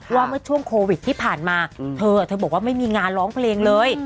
ว่าเมื่อช่วงโควิดที่ผ่านมาเธอเธอบอกว่าไม่มีงานร้องเพลงเลย